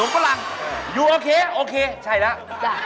นมฝรั่งอยูออเคเหรอโอเคใช่แล้วจ้ะ